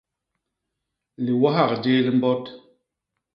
Liwahak jéé li mbot.